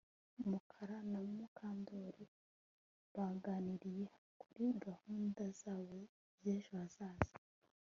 Mukara na Mukandoli baganiriye kuri gahunda zabo zejo hazaza